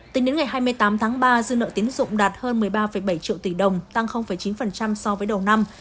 tính đến ngày hai mươi tám tháng ba dư nợ tiến dụng đạt hơn một mươi ba bảy triệu tỷ đồng tăng chín so với đầu năm